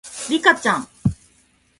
リカちゃん